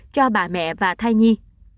cho bà mẹ và thai nhi